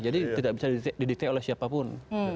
jadi tidak bisa didetail oleh siapapun